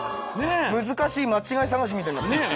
難しい間違い探しみたいになってる。